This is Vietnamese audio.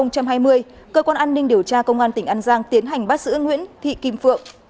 cơ quan an ninh điều tra công an tỉnh an giang tiến hành bắt giữ nguyễn thị kim phượng